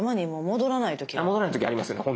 戻らない時ありますよね